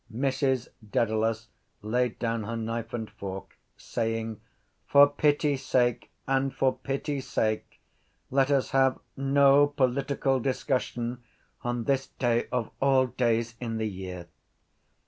Mrs Dedalus laid down her knife and fork, saying: —For pity sake and for pity sake let us have no political discussion on this day of all days in the year.